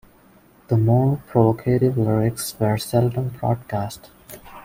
The more provocative lyrics were seldom broadcast.